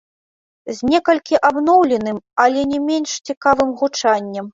З некалькі абноўленым, але не менш цікавым гучаннем.